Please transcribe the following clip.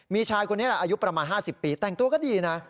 มีชายคนนี้แหละอายุประมาณ๕๐ปีแต่งตัวก็ดีนะ